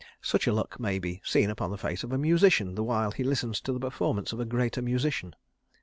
Such a look may be seen upon the face of a musician the while he listens to the performance of a greater musician.